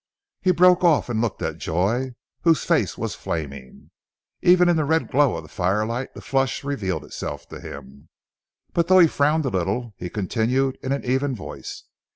He broke off and looked at Joy, whose face was flaming. Even in the red glow of the firelight the flush revealed itself to him, but though he frowned a little, he continued in an even voice.